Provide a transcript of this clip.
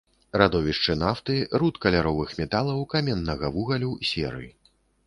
Радовішчы нафты, руд каляровых металаў, каменнага вугалю, серы.